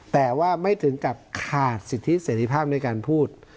แต่ว่าไม่ถึงกับขาดสิทธิเสร็จภาพในการพูด